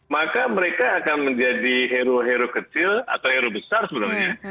maka mereka akan menjadi hero hero kecil atau hero besar sebenarnya